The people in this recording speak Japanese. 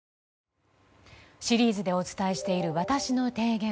シリーズでお伝えしているわたしの提言。